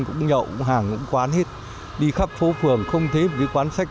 cũng nhậu cũng hàng cũng quán hết đi khắp phố phường không thấy quán sách